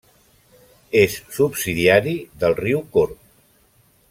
És subsidiari del riu Corb.